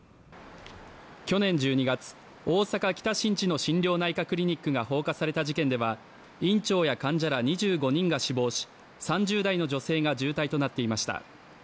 去年１２月、大阪・北新地の心療内科クリニックが放火された事件では院長や患者ら２５人が死亡し３０代の女性が重体となっていました。